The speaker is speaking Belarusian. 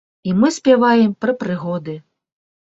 І мы спяваем пра прыгоды.